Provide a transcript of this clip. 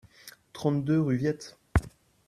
trente-deux rue Viette